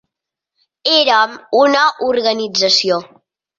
Érem una organització.